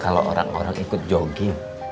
kalau orang orang ikut jogi